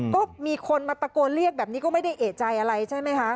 ก็มีคนมาตะโกนเรียกแบบนี้ก็ไม่ได้เอกใจอะไรใช่ไหมคะ